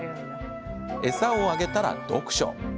餌をあげたら、読書。